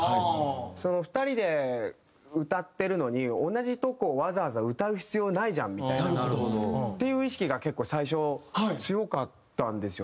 ２人で歌ってるのに同じとこをわざわざ歌う必要ないじゃんみたいな。っていう意識が結構最初強かったんですよね。